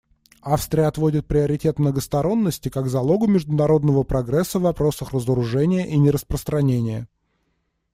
Австрия отводит приоритет многосторонности как залогу международного прогресса в вопросах разоружения и нераспространения.